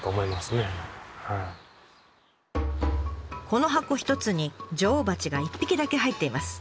この箱１つに女王蜂が１匹だけ入っています。